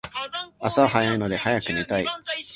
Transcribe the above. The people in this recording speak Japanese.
明日は早いので早く寝たい